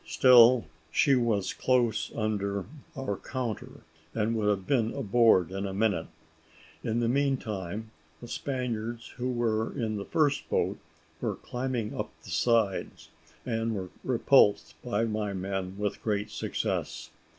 Still she was close under our counter, and would have been aboard in a minute. In the meantime, the Spaniards who were in the first boat were climbing up the side, and were repulsed by my men with great success.